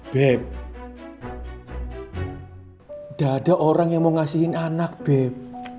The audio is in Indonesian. beb ada orang yang mau ngasihin anak beb